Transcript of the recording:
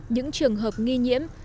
những trường hợp nghi nhiễm